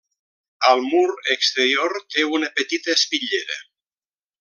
Al mur exterior té una petita espitllera.